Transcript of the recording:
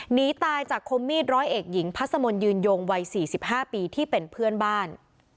หนีตายจากคมมีดร้อยเอกหญิงพัสมนต์ยืนยงวัย๔๕ปีที่เป็นเพื่อนบ้าน